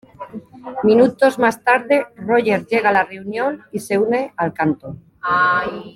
Minutos más tarde, Roger llega a la reunión y se une al canto.